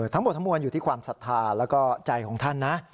ทั้งหมดทั้งมวลอยู่ที่ความศรัทธาแล้วก็ใจของท่านนะ